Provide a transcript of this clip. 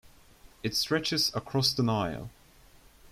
It stretches across the Nile.